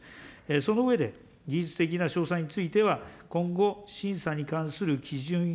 その上で、技術的な詳細については今後、審査に関する基準や、